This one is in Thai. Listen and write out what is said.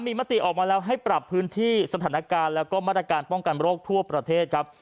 มีมติออกมาแล้วให้ปรับพื้นที่สถานการณ์แล้วก็มาตรการป้องกันโรคทั่วประเทศครับ